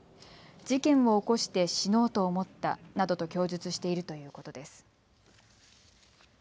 事件を起こして死のうと思ったなどと供述しているということです。